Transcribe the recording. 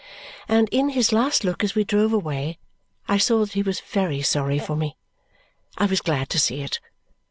And in his last look as we drove away, I saw that he was very sorry for me. I was glad to see it.